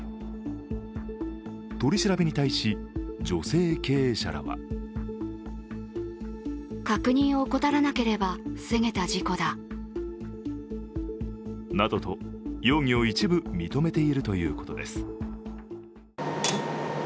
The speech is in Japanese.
取り調べに対し女性経営者らはなどと、容疑を一部認めているということです。